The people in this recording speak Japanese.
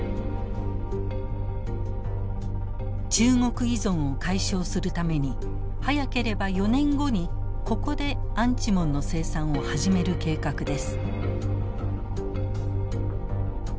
中国依存を解消するために早ければ４年後にここでアンチモンの生産を始める計画です。